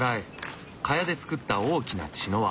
茅で作った大きな茅の輪。